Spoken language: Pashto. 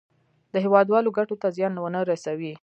د هېوادوالو ګټو ته زیان ونه رسوي.